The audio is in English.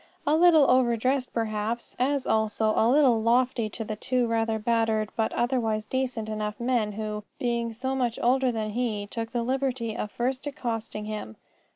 A little over dressed perhaps; as, also, a little lofty to the two rather battered but otherwise decent enough men who, being so much older than he, took the liberty of first accosting him.